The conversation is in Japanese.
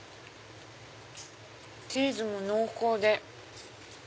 チーズも濃厚で。